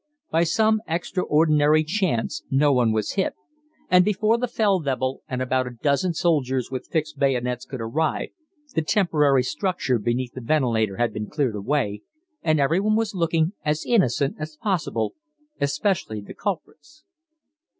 By some extraordinary chance no one was hit, and before the Feldwebel and about a dozen soldiers with fixed bayonets could arrive, the temporary structure beneath the ventilator had been cleared away and everyone was looking as innocent as possible, especially the culprits.